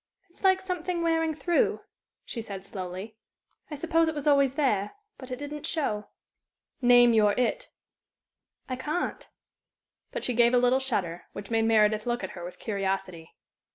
"It's like something wearing through," she said, slowly. "I suppose it was always there, but it didn't show." "Name your 'it.'" "I can't." But she gave a little shudder, which made Meredith look at her with curiosity.